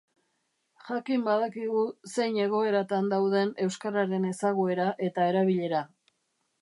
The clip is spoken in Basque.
Jakin badakigu zein egoeratan dauden euskararen ezaguera eta erabilera.